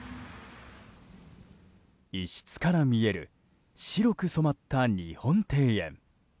一室から見える白く染まった日本庭園。